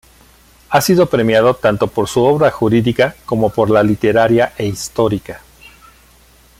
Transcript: Ha sido premiado tanto por su obra jurídica como por la literaria e histórica.